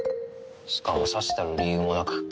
しかもさしたる理由もなく遙